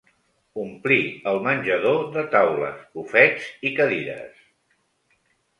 Ompli el menjador de taules, bufets i cadires.